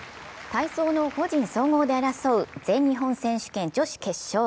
体操の個人総合で争う全日本選手権女子決勝。